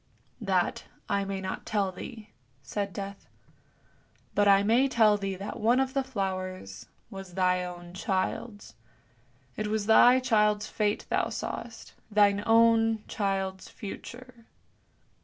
" "That I may not tell thee," said Death; "but I may tell thee that one of the flowers was thy own child's; it was thy child's fate thou sawest, thine own child's future."